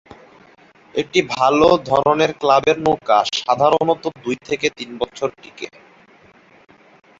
একটি ভালো ধরনের ক্লাবের নৌকা সাধারনত দুই থেকে তিন বছর টিকে।।